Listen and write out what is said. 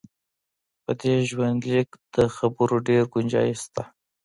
په دې ژوندلیک د خبرو ډېر ګنجایش شته.